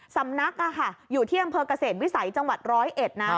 สำนักอยู่ที่อำเภอกเกษตรวิสัยจังหวัดร้อยเอ็ดนะ